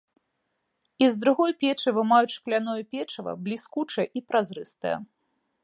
І з другой печы вымаюць шкляное печыва, бліскучае і празрыстае.